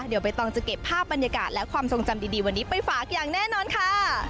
เดี๋ยวใบตองจะเก็บภาพบรรยากาศและความทรงจำดีวันนี้ไปฝากอย่างแน่นอนค่ะ